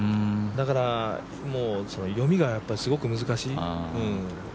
だから読みがすごく難しい。